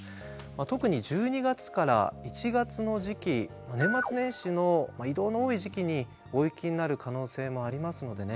特に１２月から１月の時期年末年始の移動の多い時期に大雪になる可能性もありますのでね